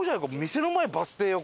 店の前バス停よ